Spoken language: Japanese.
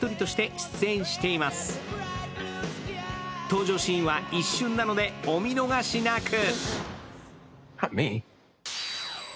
登場シーンは一瞬なので、お見逃しなく！